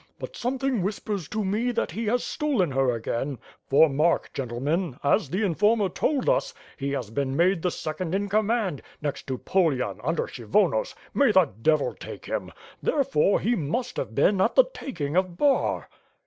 But something whispers to me that he has stolen her again, for mark, gentlemen, as the informer told us, he has been made the second in command, next to Pulyan, under Kshy vonos. May the Devil take him! Therefore he must have been at the taking of Bar.'